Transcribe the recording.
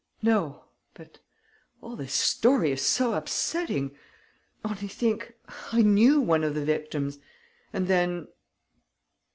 "No ... but all this story is so upsetting! Only think, I knew one of the victims! And then...."